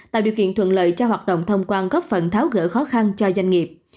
tạo điều kiện thuận lợi cho hoạt động thông quan góp phần tháo gỡ khó khăn cho doanh nghiệp